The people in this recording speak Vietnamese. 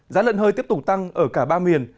giá lợn hơi tiếp tục tăng ở cả ba miền